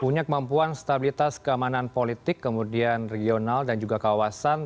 punya kemampuan stabilitas keamanan politik kemudian regional dan juga kawasan